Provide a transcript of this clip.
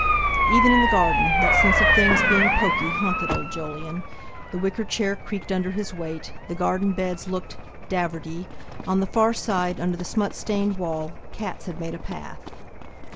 Even in the garden, that sense of things being pokey haunted old Jolyon; the wicker chair creaked under his weight; the garden beds looked "daverdy". On the far side, under the smut stained wall, cats had made a path.